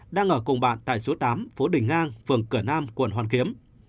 đang ở cùng bạn tại số tám phố đình ngang phường cửa nam quận hoàn kiếm